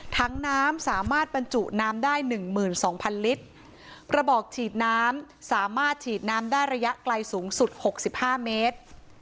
ทั้งน้ำสามารถบรรจุน้ำได้๑๒๐๐๐ลิตรระบอกฉีดน้ำสามารถฉีดน้ำได้ระยะไกลสูงสุด๖๕เมตร